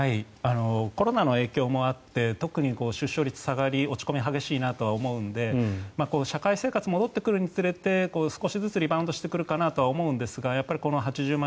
コロナの影響もあって特に出生率は落ち込みが激しいなと思うので社会生活が戻ってくるにつれて少しずつリバウンドしてくるかなと思うんですがこの８０万